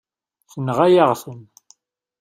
Tenɣa-yaɣ-ten.